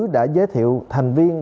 đã giới thiệu thành viên